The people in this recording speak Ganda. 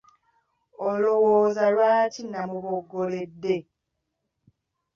Olowooza lwaki namuboggoledde?